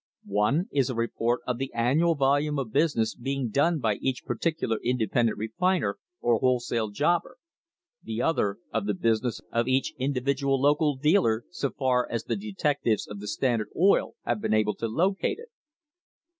One is a report of the annual volume of business being done by each particular independent refiner or wholesale jobber, the other of the business of each CUTTING TO KILL individual local dealer, so far as the detectives of the Standard have been able to locate it.